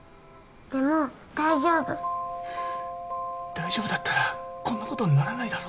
大丈夫だったらこんなことにならないだろ？